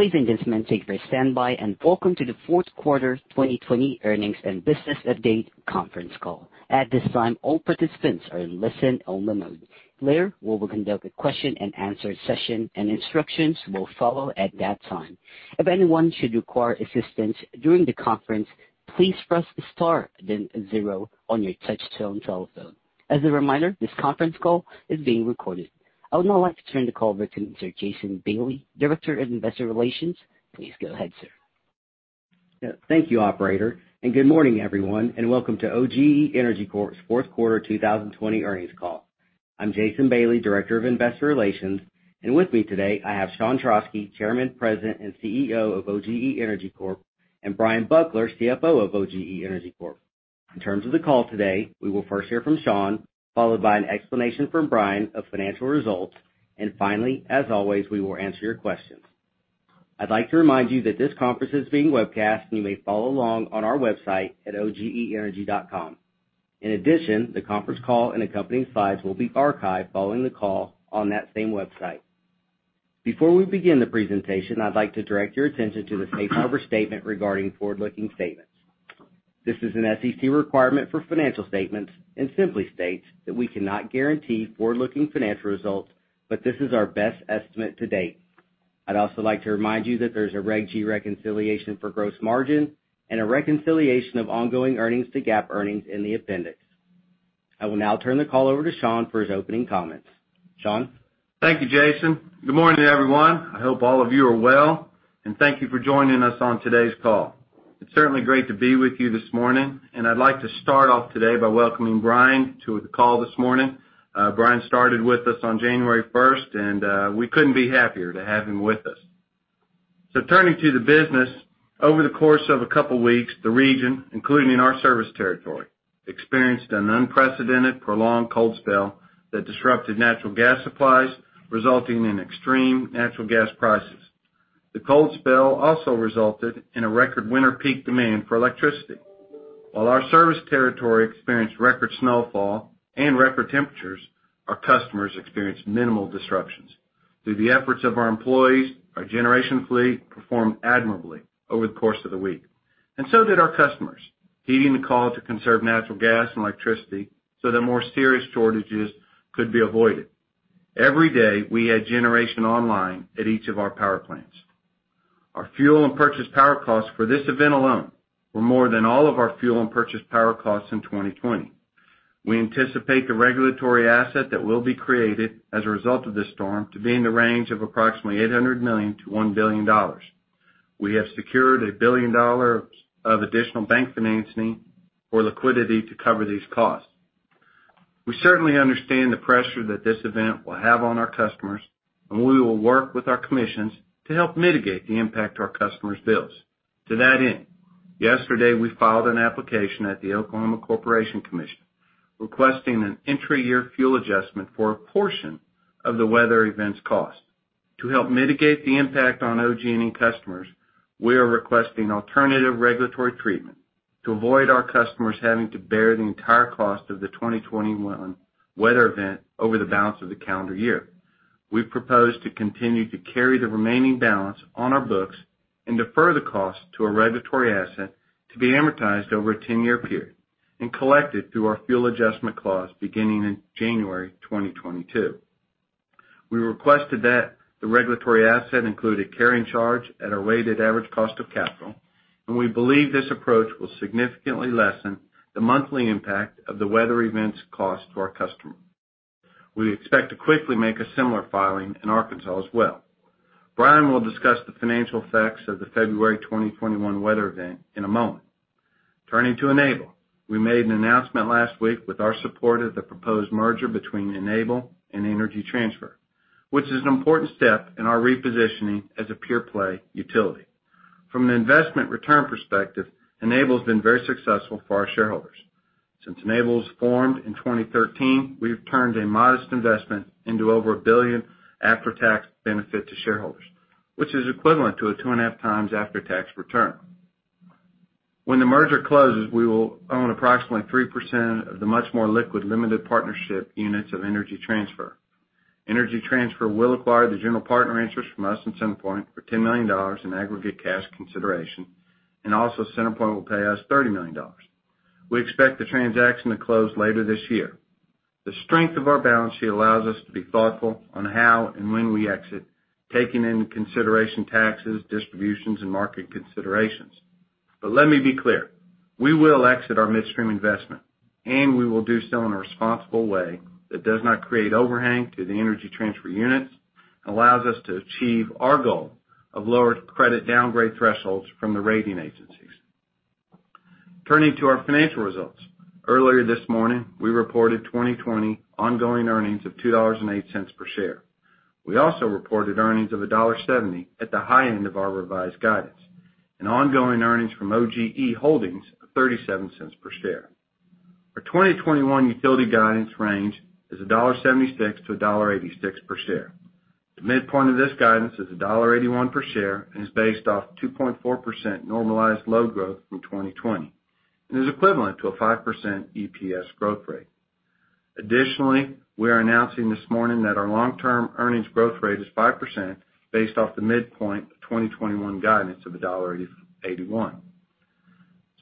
Ladies and gentlemen, thank you for standing by and welcome to the fourth quarter 2020 earnings and business update conference call. At this time, all participants are in listen only mode. Later, we will conduct a question and answer session and instructions will follow at that time. As a reminder, this conference call is being recorded. I would now like to turn the call over to Mr. Jason Bailey, Director of Investor Relations. Please go ahead, sir. Yeah. Thank you, operator, and good morning everyone, and welcome to OGE Energy Corp.'s fourth quarter 2020 earnings call. I'm Jason Bailey, Director of Investor Relations, and with me today, I have Sean Trauschke, Chairman, President, and CEO of OGE Energy Corp., and Bryan Buckler, CFO of OGE Energy Corp. In terms of the call today, we will first hear from Sean, followed by an explanation from Bryan of financial results, and finally, as always, we will answer your questions. I'd like to remind you that this conference is being webcast, and you may follow along on our website at Ogeenergy.com. In addition, the conference call and accompanying slides will be archived following the call on that same website. Before we begin the presentation, I'd like to direct your attention to the safe harbor statement regarding forward-looking statements. This is an SEC requirement for financial statements and simply states that we cannot guarantee forward-looking financial results, but this is our best estimate to date. I'd also like to remind you that there's a Reg G reconciliation for gross margin and a reconciliation of ongoing earnings to GAAP earnings in the appendix. I will now turn the call over to Sean for his opening comments. Sean? Thank you, Jason. Good morning, everyone. I hope all of you are well, and thank you for joining us on today's call. It's certainly great to be with you this morning, and I'd like to start off today by welcoming Bryan to the call this morning. Bryan started with us on January 1st, and we couldn't be happier to have him with us. Turning to the business, over the course of a couple weeks, the region, including our service territory, experienced an unprecedented prolonged cold spell that disrupted natural gas supplies, resulting in extreme natural gas prices. The cold spell also resulted in a record winter peak demand for electricity. While our service territory experienced record snowfall and record temperatures, our customers experienced minimal disruptions. Through the efforts of our employees, our generation fleet performed admirably over the course of the week, and so did our customers, heeding the call to conserve natural gas and electricity so that more serious shortages could be avoided. Every day we had generation online at each of our power plants. Our fuel and purchase power costs for this event alone were more than all of our fuel and purchase power costs in 2020. We anticipate the regulatory asset that will be created as a result of this storm to be in the range of approximately $800 million to $1 billion. We have secured $1 billion of additional bank financing or liquidity to cover these costs. We certainly understand the pressure that this event will have on our customers, and we will work with our commissions to help mitigate the impact to our customers' bills. To that end, yesterday, we filed an application at the Oklahoma Corporation Commission requesting an intra-year fuel adjustment for a portion of the weather event's cost. To help mitigate the impact on OG&E customers, we are requesting alternative regulatory treatment to avoid our customers having to bear the entire cost of the 2021 weather event over the balance of the calendar year. We've proposed to continue to carry the remaining balance on our books and defer the cost to a regulatory asset to be amortized over a 10-year period and collected through our fuel adjustment clause beginning in January 2022. We requested that the regulatory asset include a carrying charge at a weighted average cost of capital, and we believe this approach will significantly lessen the monthly impact of the weather event's cost to our customers. We expect to quickly make a similar filing in Arkansas as well. Bryan will discuss the financial effects of the February 2021 weather event in a moment. Turning to Enable. We made an announcement last week with our support of the proposed merger between Enable and Energy Transfer, which is an important step in our repositioning as a pure-play utility. From an investment return perspective, Enable's been very successful for our shareholders. Since Enable was formed in 2013, we've turned a modest investment into over a $1 billion after-tax benefit to shareholders, which is equivalent to a two and a half times after-tax return. When the merger closes, we will own approximately 3% of the much more liquid limited partnership units of Energy Transfer. Energy Transfer will acquire the general partner interest from us and CenterPoint for $10 million in aggregate cash consideration, also CenterPoint will pay us $30 million. We expect the transaction to close later this year. The strength of our balance sheet allows us to be thoughtful on how and when we exit, taking into consideration taxes, distributions, and market considerations. Let me be clear, we will exit our midstream investment, and we will do so in a responsible way that does not create overhang to the Energy Transfer units and allows us to achieve our goal of lower credit downgrade thresholds from the rating agencies. Turning to our financial results. Earlier this morning, we reported 2020 ongoing earnings of $2.08 per share. We also reported earnings of $1.70 at the high end of our revised guidance and ongoing earnings from OGE Holdings of $0.37 per share. Our 2021 utility guidance range is $1.76-$1.86 per share. The midpoint of this guidance is $1.81 per share and is based off 2.4% normalized load growth from 2020 and is equivalent to a 5% EPS growth rate. Additionally, we are announcing this morning that our long-term earnings growth rate is 5% based off the midpoint of 2021 guidance of $1.81.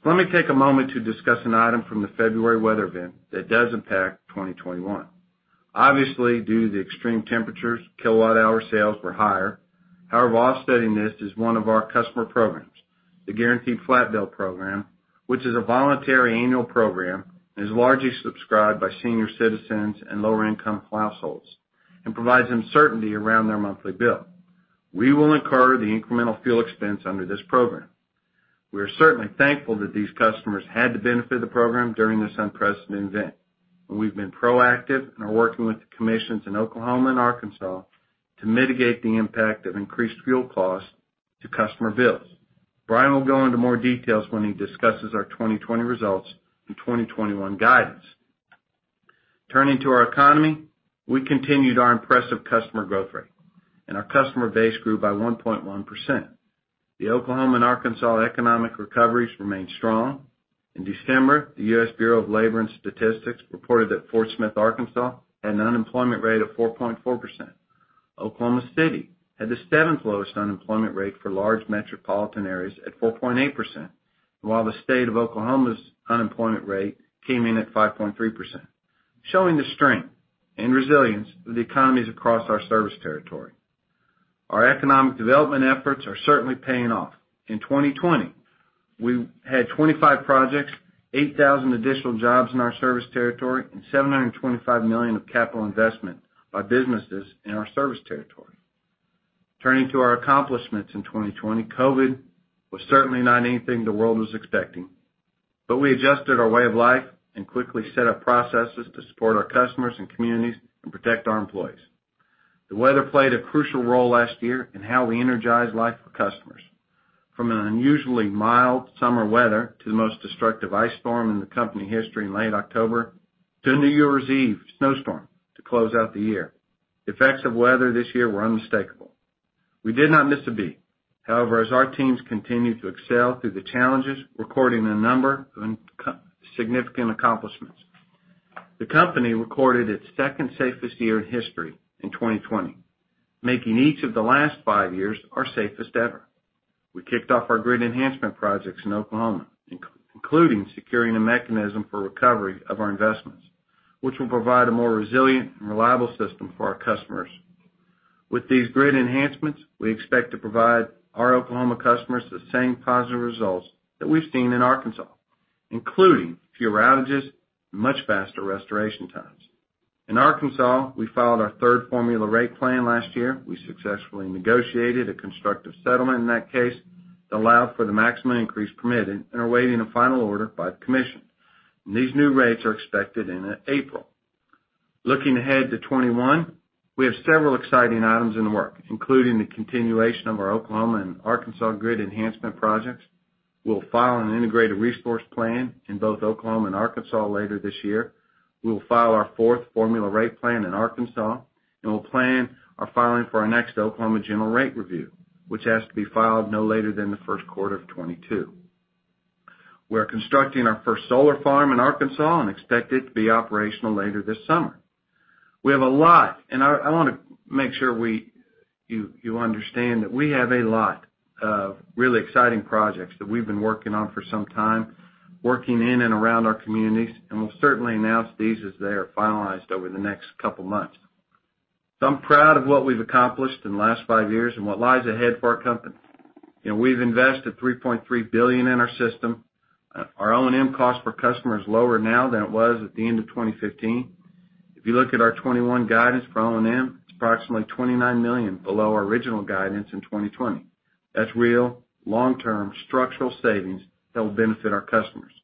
Let me take a moment to discuss an item from the February weather event that does impact 2021. Obviously, due to the extreme temperatures, kilowatt-hour sales were higher. However, offsetting this is one of our customer programs, the Guaranteed Flat Bill program, which is a voluntary annual program and is largely subscribed by senior citizens and lower-income households, and provides them certainty around their monthly bill. We will incur the incremental fuel expense under this program. We are certainly thankful that these customers had the benefit of the program during this unprecedented event, and we've been proactive and are working with the commissions in Oklahoma and Arkansas to mitigate the impact of increased fuel costs to customer bills. Bryan will go into more details when he discusses our 2020 results and 2021 guidance. Turning to our economy, we continued our impressive customer growth rate, and our customer base grew by 1.1%. The Oklahoma and Arkansas economic recoveries remain strong. In December, the U.S. Bureau of Labor Statistics reported that Fort Smith, Arkansas, had an unemployment rate of 4.4%. Oklahoma City had the seventh lowest unemployment rate for large metropolitan areas at 4.8%, while the state of Oklahoma's unemployment rate came in at 5.3%, showing the strength and resilience of the economies across our service territory. Our economic development efforts are certainly paying off. In 2020, we had 25 projects, 8,000 additional jobs in our service territory, and $725 million of capital investment by businesses in our service territory. Turning to our accomplishments in 2020, COVID was certainly not anything the world was expecting, but we adjusted our way of life and quickly set up processes to support our customers and communities and protect our employees. The weather played a crucial role last year in how we energized life for customers. From an unusually mild summer weather to the most destructive ice storm in the company history in late October, to a New Year's Eve snowstorm to close out the year. The effects of weather this year were unmistakable. We did not miss a beat. However, as our teams continued to excel through the challenges, recording a number of significant accomplishments. The company recorded its second safest year in history in 2020, making each of the last five years our safest ever. We kicked off our grid enhancement projects in Oklahoma, including securing a mechanism for recovery of our investments, which will provide a more resilient and reliable system for our customers. With these grid enhancements, we expect to provide our Oklahoma customers the same positive results that we've seen in Arkansas, including fewer outages and much faster restoration times. In Arkansas, we filed our third formula rate plan last year. We successfully negotiated a constructive settlement in that case that allowed for the maximum increase permitted and are awaiting a final order by the commission. These new rates are expected in April. Looking ahead to 2021, we have several exciting items in the works, including the continuation of our Oklahoma and Arkansas grid enhancement projects. We'll file an integrated resource plan in both Oklahoma and Arkansas later this year. We will file our fourth formula rate plan in Arkansas, and we'll plan our filing for our next Oklahoma general rate review, which has to be filed no later than the first quarter of 2022. We're constructing our first solar farm in Arkansas and expect it to be operational later this summer. We have a lot, and I want to make sure you understand that we have a lot of really exciting projects that we've been working on for some time, working in and around our communities, and we'll certainly announce these as they are finalized over the next couple of months. I'm proud of what we've accomplished in the last five years and what lies ahead for our company. We've invested $3.3 billion in our system. Our O&M cost per customer is lower now than it was at the end of 2015. If you look at our 2021 guidance for O&M, it's approximately $29 million below our original guidance in 2020. That's real, long-term structural savings that will benefit our customers.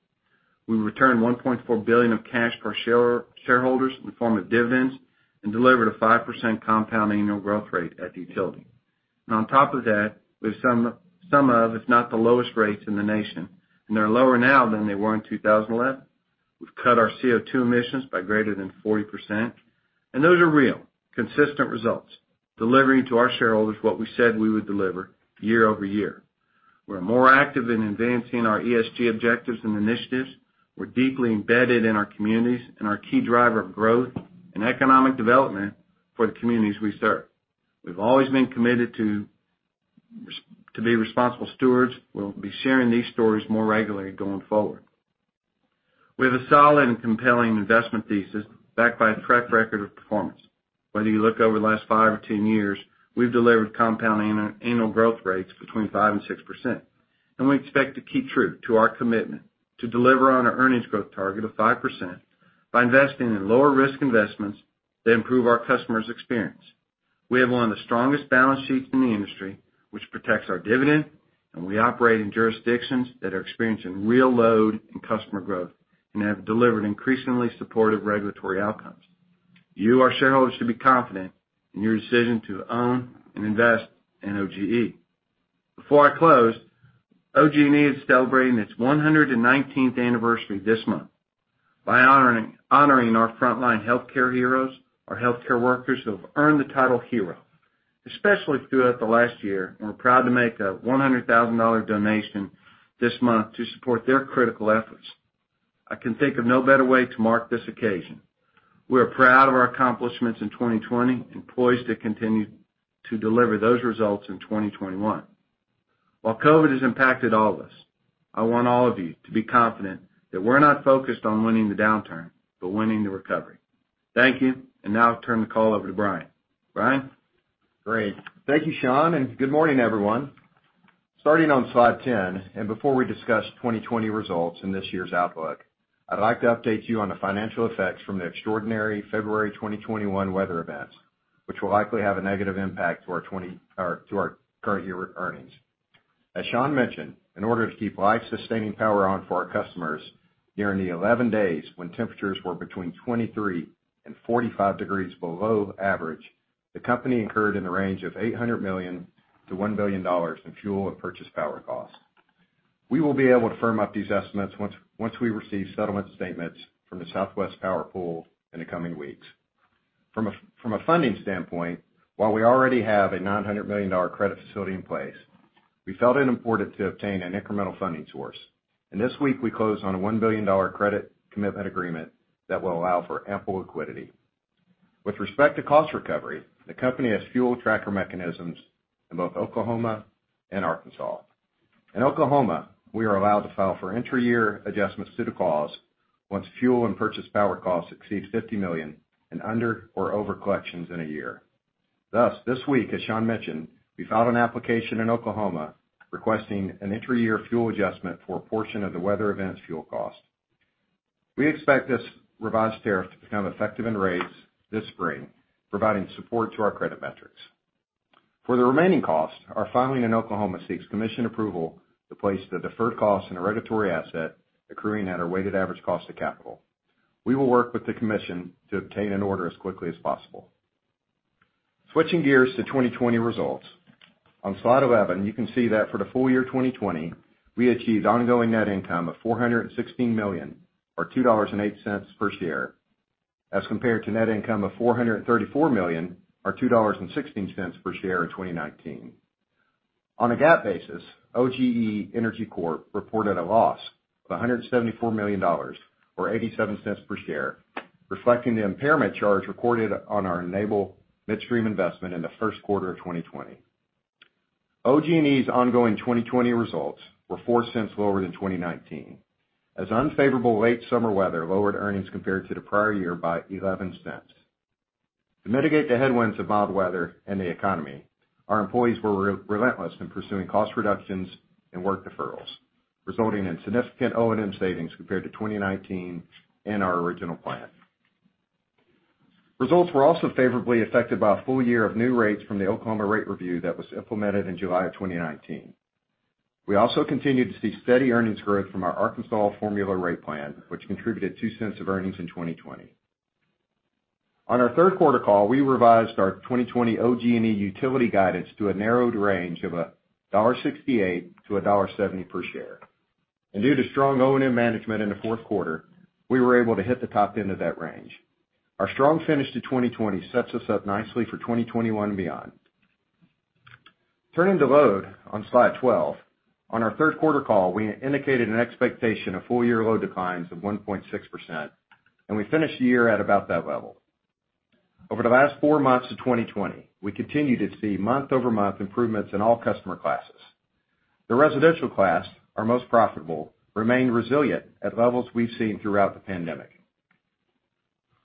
We returned $1.4 billion of cash to our shareholders in the form of dividends and delivered a 5% compound annual growth rate at the utility. On top of that, we have some of, if not the lowest rates in the nation, and they're lower now than they were in 2011. We've cut our CO2 emissions by greater than 40%. Those are real, consistent results, delivering to our shareholders what we said we would deliver year-over-year. We're more active in advancing our ESG objectives and initiatives. We're deeply embedded in our communities and our key driver of growth and economic development for the communities we serve. We've always been committed to be responsible stewards. We'll be sharing these stories more regularly going forward. We have a solid and compelling investment thesis backed by a track record of performance. Whether you look over the last five or 10 years, we've delivered compound annual growth rates between 5% and 6%, and we expect to keep true to our commitment to deliver on our earnings growth target of 5% by investing in lower-risk investments that improve our customers' experience. We have one of the strongest balance sheets in the industry, which protects our dividend, and we operate in jurisdictions that are experiencing real load and customer growth and have delivered increasingly supportive regulatory outcomes. You, our shareholders, should be confident in your decision to own and invest in OGE. Before I close, OGE is celebrating its 119th anniversary this month by honoring our frontline healthcare heroes, our healthcare workers who have earned the title hero, especially throughout the last year, and we're proud to make a $100,000 donation this month to support their critical efforts. I can think of no better way to mark this occasion. We are proud of our accomplishments in 2020, and poised to continue to deliver those results in 2021. While COVID has impacted all of us, I want all of you to be confident that we're not focused on winning the downturn, but winning the recovery. Thank you, and now I'll turn the call over to Bryan. Bryan? Great. Thank you, Sean, and good morning, everyone. Starting on slide 10, before we discuss 2020 results and this year's outlook, I'd like to update you on the financial effects from the extraordinary February 2021 weather events, which will likely have a negative impact to our current year earnings. As Sean mentioned, in order to keep life-sustaining power on for our customers during the 11 days when temperatures were between 23 and 45 degrees below average, the company incurred in the range of $800 million-$1 billion in fuel and purchase power costs. We will be able to firm up these estimates once we receive settlement statements from the Southwest Power Pool in the coming weeks. From a funding standpoint, while we already have a $900 million credit facility in place, we felt it important to obtain an incremental funding source. This week, we closed on a $1 billion credit commitment agreement that will allow for ample liquidity. With respect to cost recovery, the company has fuel tracker mechanisms in both Oklahoma and Arkansas. In Oklahoma, we are allowed to file for intra-year adjustments to the costs once fuel and purchase power costs exceed $50 million in under or over collections in a year. This week, as Sean mentioned, we filed an application in Oklahoma requesting an intra-year fuel adjustment for a portion of the weather event's fuel cost. We expect this revised tariff to become effective in rates this spring, providing support to our credit metrics. For the remaining cost, our filing in Oklahoma seeks commission approval to place the deferred cost in a regulatory asset accruing at our weighted average cost of capital. We will work with the commission to obtain an order as quickly as possible. Switching gears to 2020 results. On slide 11, you can see that for the full year 2020, we achieved ongoing net income of $416 million or $2.08 per share as compared to net income of $434 million or $2.16 per share in 2019. On a GAAP basis, OGE Energy Corp reported a loss of $174 million or $0.87 per share, reflecting the impairment charge recorded on our Enable Midstream investment in the first quarter of 2020. OGE's ongoing 2020 results were $0.04 lower than 2019, as unfavorable late summer weather lowered earnings compared to the prior year by $0.11. To mitigate the headwinds of mild weather and the economy, our employees were relentless in pursuing cost reductions and work deferrals, resulting in significant O&M savings compared to 2019 and our original plan. Results were also favorably affected by a full year of new rates from the Oklahoma rate review that was implemented in July 2019. We also continued to see steady earnings growth from our Arkansas formula rate plan, which contributed $0.02 of earnings in 2020. On our third quarter call, we revised our 2020 OGE utility guidance to a narrowed range of $1.68-$1.70 per share. Due to strong O&M management in the fourth quarter, we were able to hit the top end of that range. Our strong finish to 2020 sets us up nicely for 2021 and beyond. Turning to load on slide 12. On our third quarter call, we indicated an expectation of full-year load declines of 1.6%, and we finished the year at about that level. Over the last four months of 2020, we continued to see month-over-month improvements in all customer classes. The residential class, our most profitable, remained resilient at levels we've seen throughout the pandemic.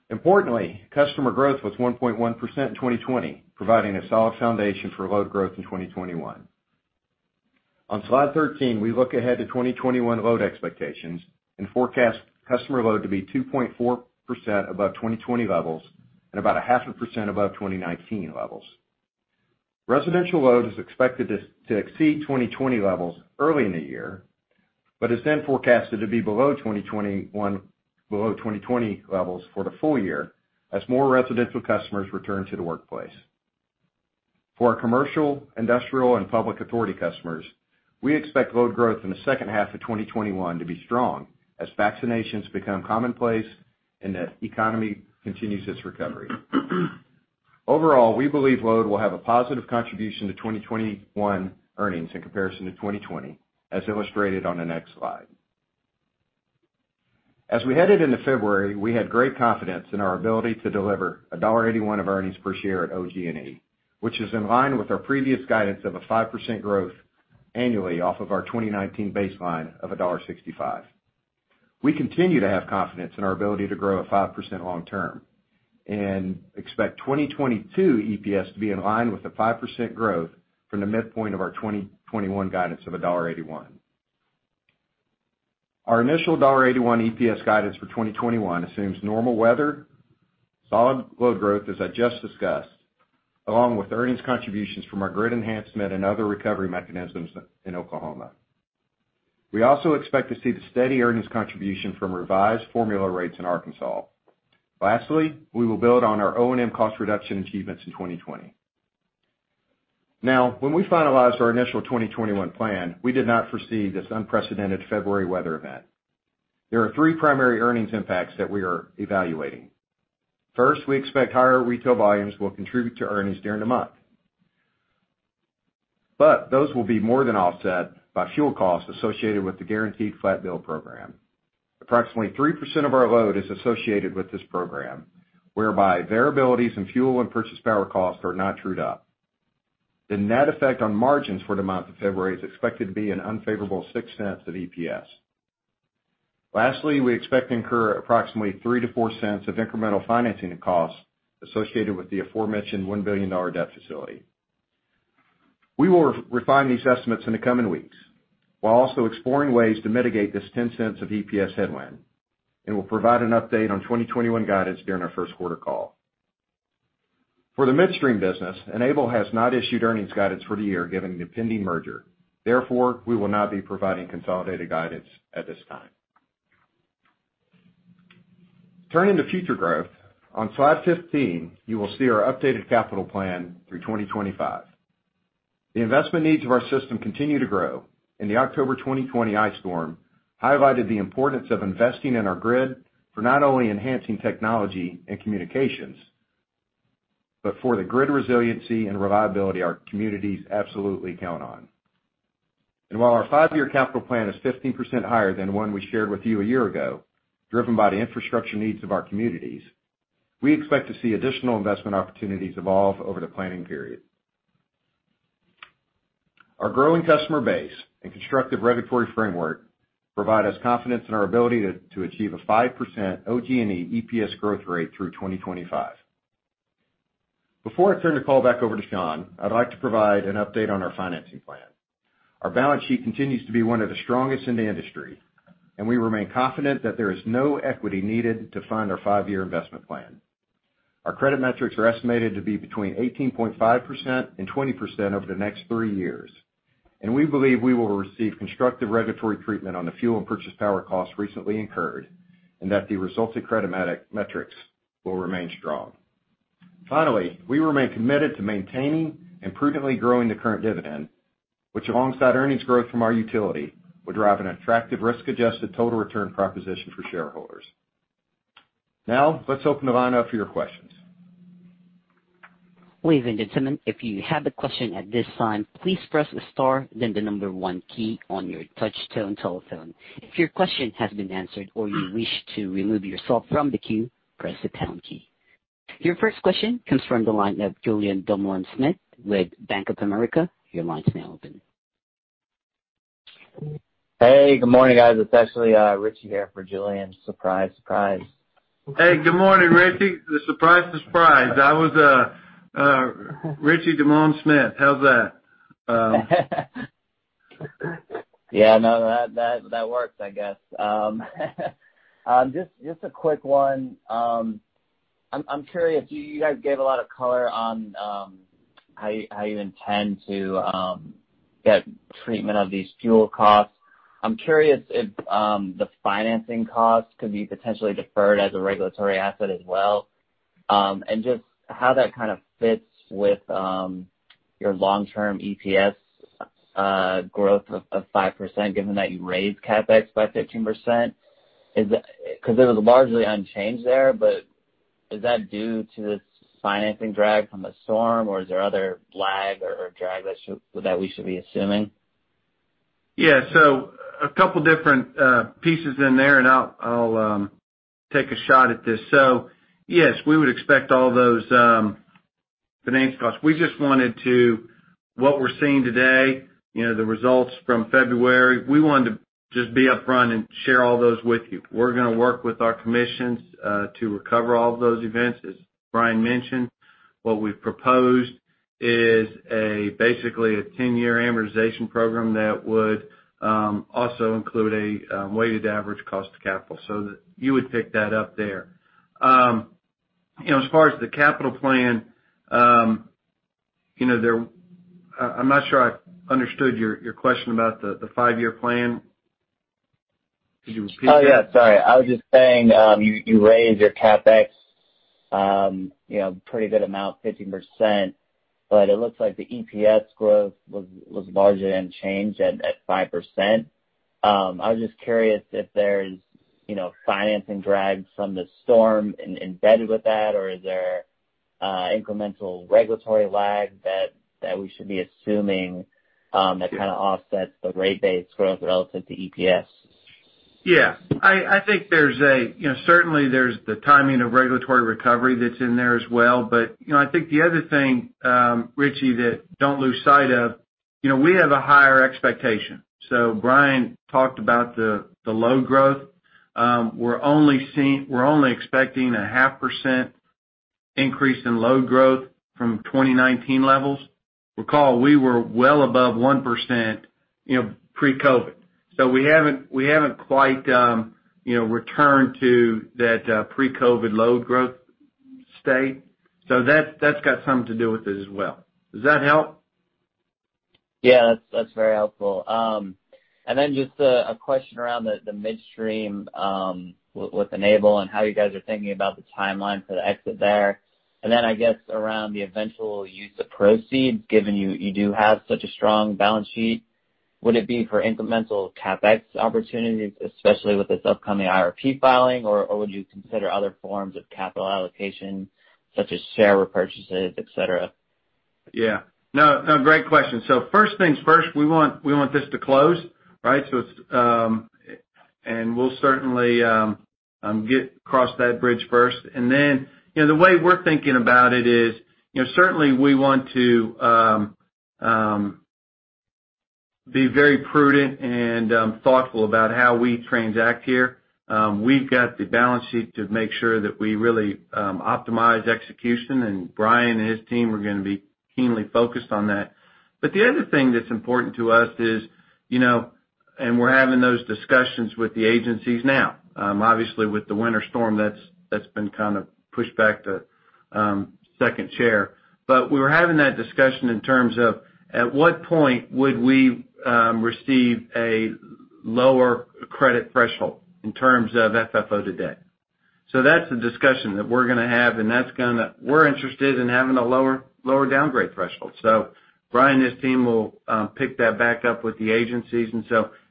Importantly, customer growth was 1.1% in 2020, providing a solid foundation for load growth in 2021. On slide 13, we look ahead to 2021 load expectations and forecast customer load to be 2.4% above 2020 levels and about 0.5% above 2019 levels. Residential load is expected to exceed 2020 levels early in the year, but is then forecasted to be below 2020 levels for the full year as more residential customers return to the workplace. For our commercial, industrial, and public authority customers, we expect load growth in the second half of 2021 to be strong as vaccinations become commonplace and the economy continues its recovery. Overall, we believe load will have a positive contribution to 2021 earnings in comparison to 2020, as illustrated on the next slide. As we headed into February, we had great confidence in our ability to deliver a $1.81 of earnings per share at OG&E, which is in line with our previous guidance of a 5% growth annually off of our 2019 baseline of $1.65. We continue to have confidence in our ability to grow at 5% long term and expect 2022 EPS to be in line with the 5% growth from the midpoint of our 2021 guidance of $1.81. Our initial $1.81 EPS guidance for 2021 assumes normal weather, solid load growth, as I just discussed, along with earnings contributions from our grid enhancement and other recovery mechanisms in Oklahoma. We also expect to see the steady earnings contribution from revised formula rates in Arkansas. Lastly, we will build on our O&M cost reduction achievements in 2020. Now, when we finalized our initial 2021 plan, we did not foresee this unprecedented February weather event. There are three primary earnings impacts that we are evaluating. First, we expect higher retail volumes will contribute to earnings during the month. Those will be more than offset by fuel costs associated with the Guaranteed Flat Bill program. Approximately 3% of our load is associated with this program, whereby variabilities in fuel and purchase power costs are not trued up. The net effect on margins for the month of February is expected to be an unfavorable $0.06 of EPS. Lastly, we expect to incur approximately $0.03-$0.04 of incremental financing costs associated with the aforementioned $1 billion debt facility. We will refine these estimates in the coming weeks while also exploring ways to mitigate this $0.10 of EPS headwind. We'll provide an update on 2021 guidance during our first quarter call. For the midstream business, Enable has not issued earnings guidance for the year, given the pending merger. We will not be providing consolidated guidance at this time. Turning to future growth, on slide 15, you will see our updated capital plan through 2025. The investment needs of our system continue to grow, and the October 2020 ice storm highlighted the importance of investing in our grid for not only enhancing technology and communications, but for the grid resiliency and reliability our communities absolutely count on. While our five-year capital plan is 15% higher than the one we shared with you a year ago, driven by the infrastructure needs of our communities, we expect to see additional investment opportunities evolve over the planning period. Our growing customer base and constructive regulatory framework provide us confidence in our ability to achieve a 5% OG&E EPS growth rate through 2025. Before I turn the call back over to Sean, I'd like to provide an update on our financing plan. Our balance sheet continues to be one of the strongest in the industry, and we remain confident that there is no equity needed to fund our five-year investment plan. Our credit metrics are estimated to be between 18.5% and 20% over the next three years, and we believe we will receive constructive regulatory treatment on the fuel and purchase power costs recently incurred, and that the resulting credit metrics will remain strong. Finally, we remain committed to maintaining and prudently growing the current dividend, which alongside earnings growth from our utility, will drive an attractive risk-adjusted total return proposition for shareholders. Now, let's open the line up for your questions. Ladies and gentlemen, if you have a question at this time, please press the star then the number one key on your touch tone telephone. If your question has been answered or you wish to remove yourself from the queue, press the pound key. Your first question comes from the line of Julien Dumoulin-Smith with Bank of America. Your line's now open. Hey, good morning, guys. It's actually Richie here for Julien. Surprise, surprise. Hey, good morning, Richie. Surprise, surprise. I was Richie Dumoulin-Smith. How's that? Yeah, no, that works, I guess. Just a quick one. I'm curious, you guys gave a lot of color on how you intend to get treatment of these fuel costs. I'm curious if the financing costs could be potentially deferred as a regulatory asset as well, and just how that kind of fits with your long-term EPS growth of 5%, given that you raised CapEx by 15%. It was largely unchanged there, but is that due to the financing drag from the storm, or is there other lag or drag that we should be assuming? Yeah. A couple different pieces in there, and I'll take a shot at this. Yes, we would expect all those finance costs. What we're seeing today, the results from February, we wanted to just be upfront and share all those with you. We're going to work with our commissions to recover all of those events. As Bryan mentioned, what we've proposed is basically a 10-year amortization program that would also include a weighted average cost of capital. You would pick that up there. As far as the capital plan, I'm not sure I understood your question about the five-year plan. Could you repeat that? Oh, yeah. Sorry. I was just saying, you raised your CapEx pretty good amount, 15%, but it looks like the EPS growth was largely unchanged at 5%. I was just curious if there's financing drag from the storm embedded with that, or is there incremental regulatory lag that we should be assuming that kind of offsets the rate base growth relative to EPS? Certainly, there's the timing of regulatory recovery that's in there as well. I think the other thing, Richie, that don't lose sight of, we have a higher expectation. Bryan talked about the load growth. We're only expecting a 0.5% increase in load growth from 2019 levels. Recall, we were well above 1% pre-COVID. We haven't quite returned to that pre-COVID load growth state. That's got something to do with it as well. Does that help? Yeah, that's very helpful. Just a question around the midstream with Enable and how you guys are thinking about the timeline for the exit there. I guess around the eventual use of proceeds, given you do have such a strong balance sheet. Would it be for incremental CapEx opportunities, especially with this upcoming IRP filing? Or would you consider other forms of capital allocation, such as share repurchases, et cetera? Yeah. No, great question. First things first, we want this to close, right? We'll certainly get across that bridge first. The way we're thinking about it is, certainly we want to be very prudent and thoughtful about how we transact here. We've got the balance sheet to make sure that we really optimize execution, and Bryan and his team are going to be keenly focused on that. The other thing that's important to us is, and we're having those discussions with the agencies now. Obviously, with the winter storm, that's been kind of pushed back to second chair. We were having that discussion in terms of, at what point would we receive a lower credit threshold in terms of FFO today? That's the discussion that we're going to have, and we're interested in having a lower downgrade threshold. Bryan and his team will pick that back up with the agencies.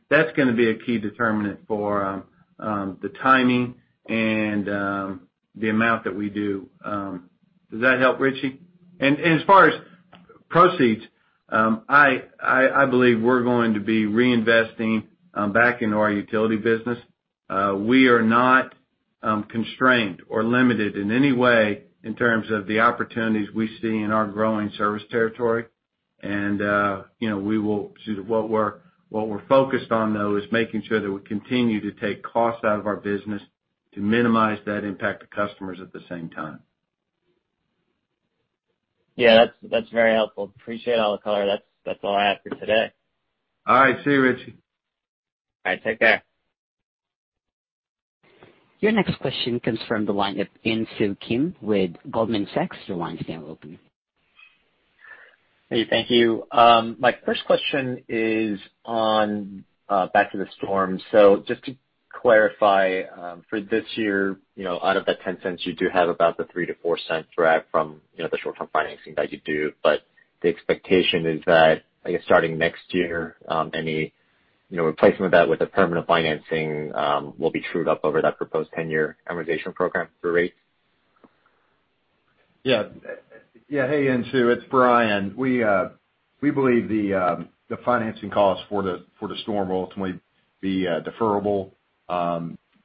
That's going to be a key determinant for the timing and the amount that we do. Does that help, Richie? As far as proceeds, I believe we're going to be reinvesting back into our utility business. We are not constrained or limited in any way in terms of the opportunities we see in our growing service territory. What we're focused on, though, is making sure that we continue to take costs out of our business to minimize that impact to customers at the same time. Yeah. That's very helpful. Appreciate all the color. That's all I have for today. All right. See you, Richie. All right. Take care. Your next question comes from the line of Insoo Kim with Goldman Sachs. Your line's now open. Hey, thank you. My first question is on back to the storm. Just to clarify, for this year, out of that $0.10, you do have about the $0.03-$0.04 drag from the short-term financing that you do. The expectation is that, I guess, starting next year, any replacement of that with a permanent financing will be trued up over that proposed 10-year amortization program through rates. Hey, Insoo, it's Bryan. We believe the financing cost for the storm will ultimately be deferrable.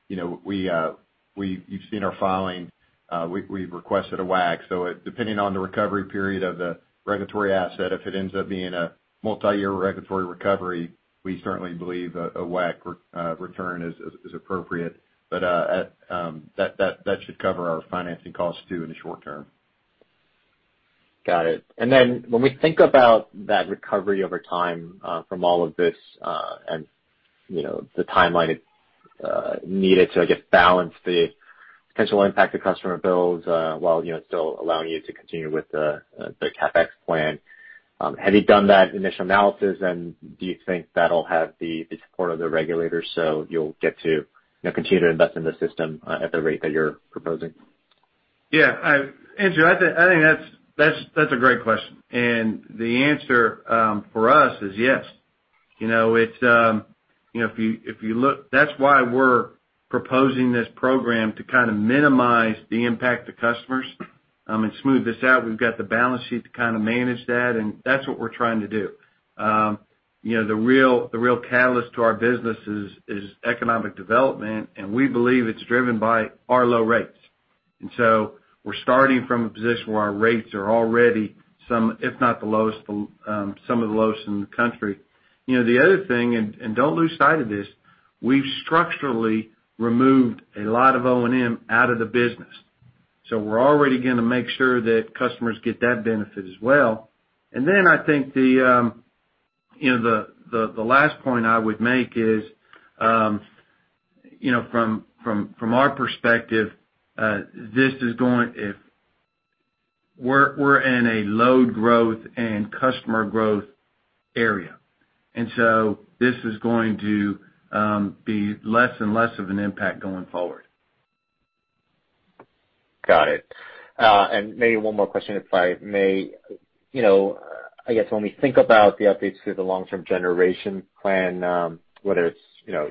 You've seen our filing. We've requested a WACC. Depending on the recovery period of the regulatory asset, if it ends up being a multi-year regulatory recovery, we certainly believe a WACC return is appropriate. That should cover our financing costs, too, in the short term. Got it. When we think about that recovery over time from all of this, and the timeline needed to, I guess, balance the potential impact to customer bills while still allowing you to continue with the CapEx plan, have you done that initial analysis, and do you think that'll have the support of the regulators so you'll get to continue to invest in the system at the rate that you're proposing? Yeah. Insoo, I think that's a great question. The answer for us is yes. That's why we're proposing this program to kind of minimize the impact to customers and smooth this out. We've got the balance sheet to kind of manage that, and that's what we're trying to do. The real catalyst to our business is economic development, and we believe it's driven by our low rates. We're starting from a position where our rates are already some, if not the lowest, some of the lowest in the country. The other thing, don't lose sight of this, we've structurally removed a lot of O&M out of the business. We're already going to make sure that customers get that benefit as well. I think the last point I would make is, from our perspective, we're in a low growth and customer growth area. This is going to be less and less of an impact going forward. Got it. Maybe one more question, if I may. I guess when we think about the updates to the long-term generation plan, whether it's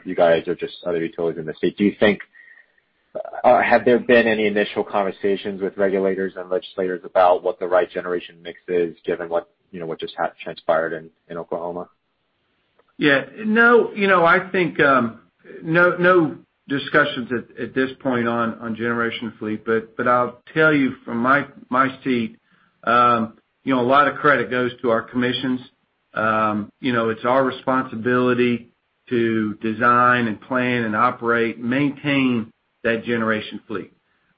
you guys or just other utilities in the state, have there been any initial conversations with regulators and legislators about what the right generation mix is given what just transpired in Oklahoma? Yeah. No discussions at this point on generation fleet. I'll tell you from my seat, a lot of credit goes to our commissions. It's our responsibility to design and plan and operate, maintain that generation fleet.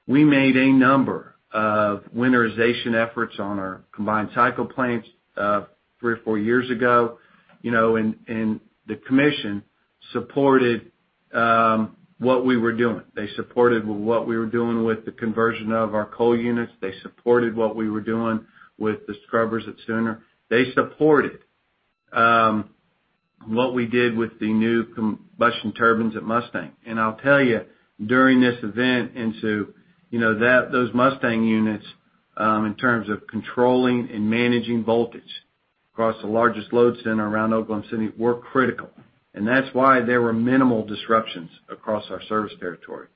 We made a number of winterization efforts on our combined cycle plants three or four years ago, the commission supported what we were doing. They supported what we were doing with the conversion of our coal units. They supported what we were doing with the scrubbers at Sooner. They supported what we did with the new combustion turbines at Mustang. I'll tell you, during this event, Insoo, those Mustang units, in terms of controlling and managing voltage across the largest load center around Oklahoma City, were critical. That's why there were minimal disruptions across our service territory.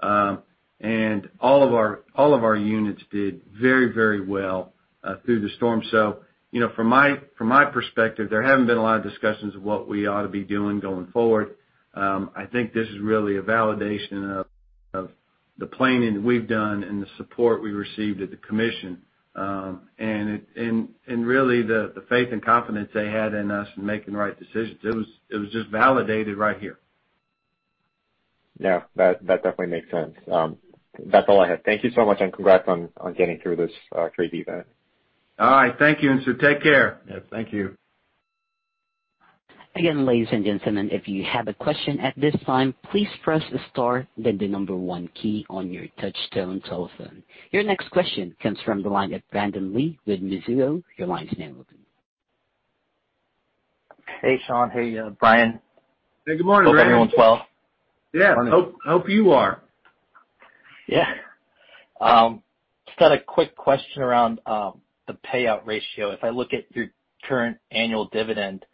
All of our units did very well through the storm. From my perspective, there haven't been a lot of discussions of what we ought to be doing going forward. I think this is really a validation of the planning we've done and the support we received at the Commission. Really the faith and confidence they had in us in making the right decisions. It was just validated right here. Yeah. That definitely makes sense. That's all I had. Thank you so much, and congrats on getting through this crazy event. All right. Thank you, take care. Yes. Thank you. Again, ladies and gentlemen, if you have a question at this time, please press the star then the number one key on your touchtone telephone. Your next question comes from the line of Brandon Lee with Mizuho. Your line is now open. Hey, Sean. Hey, Bryan. Hey, good morning, Brandon. Hope everyone's well. Yeah. Hope you are. Yeah. Just had a quick question around the payout ratio. If I look at your current annual dividend,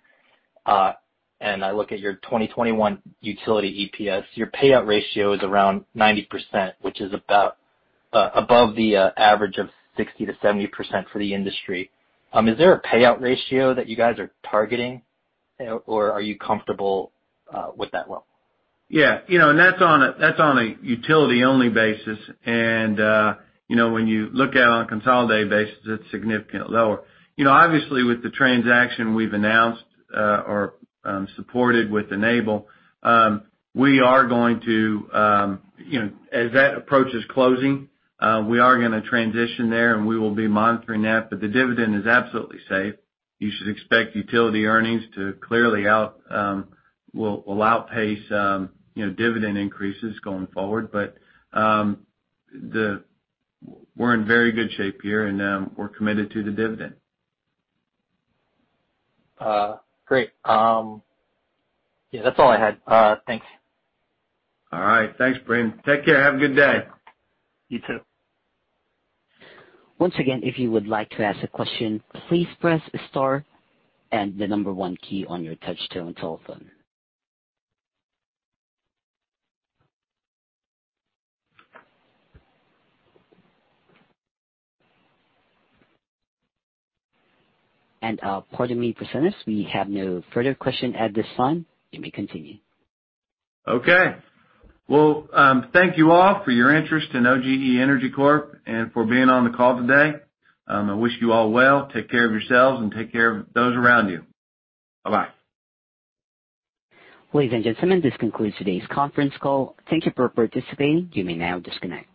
and I look at your 2021 utility EPS, your payout ratio is around 90%, which is above the average of 60%-70% for the industry. Is there a payout ratio that you guys are targeting? Or are you comfortable with that level? Yeah. That's on a utility-only basis. When you look at it on a consolidated basis, it's significantly lower. Obviously, with the transaction we've announced, or supported with Enable, as that approaches closing, we are gonna transition there, and we will be monitoring that, but the dividend is absolutely safe. You should expect utility earnings will outpace dividend increases going forward. We're in very good shape here, and we're committed to the dividend. Great. Yeah, that's all I had. Thanks. All right. Thanks, Brandon. Take care. Have a good day. You too. Pardon me, presenters, we have no further question at this time. You may continue. Okay. Well, thank you all for your interest in OGE Energy Corp, and for being on the call today. I wish you all well. Take care of yourselves and take care of those around you. Bye-bye. Ladies and gentlemen, this concludes today's conference call. Thank you for participating. You may now disconnect.